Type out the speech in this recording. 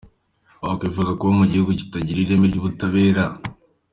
Wakwifuza kuba mu gihugu kitagira ireme ry’ubutabera?.